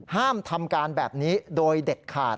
ห้ามทำการแบบนี้โดยเด็ดขาด